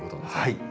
はい。